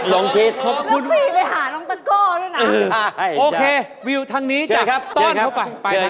แล้วปี่ไปหาน้องตะกอด้วยนะ